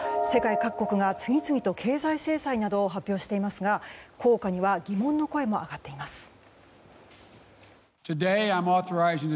世界各国が次々と経済制裁などを発表していますが効果には疑問の声も上がっています。